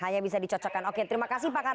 hanya bisa dicocokkan oke terima kasih pak kamar